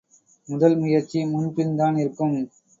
முதல் முயற்சி முன்பின் தான் இருக்கும்.